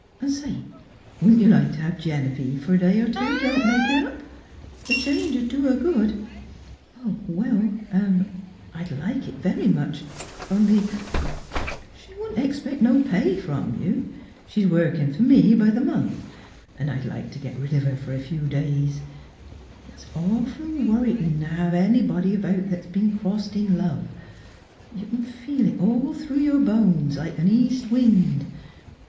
An', say, wouldn't you like t' have Genevieve for a day or two t' help make it up? The change'd do her good." " Well, I — I'd like it very much ; only —"" She wouldn't expect no pay from 3^ou. She's workin' fer me b' the month. An' Miss Philura's Wedding Gown I'd like t' get rid of her fer a few days. It's awful worritin' t' hev anybody about that's been crossed in love. You c'n feel it ail through your bones like an east wind."